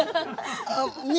ねえ。